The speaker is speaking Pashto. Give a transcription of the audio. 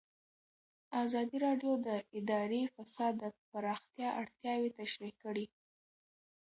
ازادي راډیو د اداري فساد د پراختیا اړتیاوې تشریح کړي.